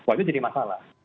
itu jadi masalah